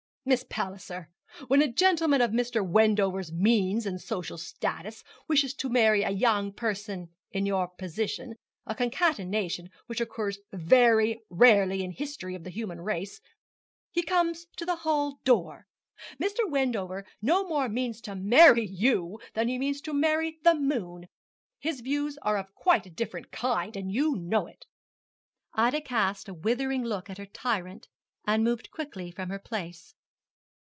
Miss Palliser, when a gentleman of Mr. Wendover's means and social status wishes to marry a young person in your position a concatenation which occurs very rarely in the history of the human race he comes to the hall door. Mr. Wendover no more means to marry you than he means to marry the moon. His views are of quite a different kind, and you know it.' Ida cast a withering look at her tyrant, and moved quickly from her place.